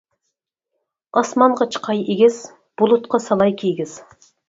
ئاسمانغا چىقاي ئېگىز، بۇلۇتقا سالاي كىگىز.